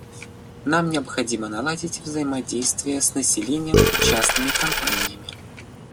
Нам необходимо наладить взаимодействие с населением и частными компаниями.